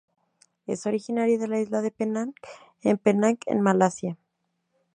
Es originaria de la isla de Penang en Penang en Malasia.